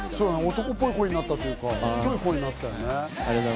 男っぽい声っていうか、太い声になったよね。